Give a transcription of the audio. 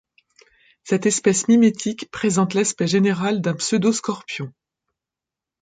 Cette espèce mimétique présente l'aspect général d'un pseudoscorpion.